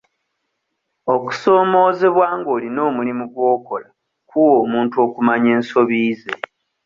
Okusoomoozebwa nga olina omulimu gw'okola kuwa omuntu okumanya ensobi ze.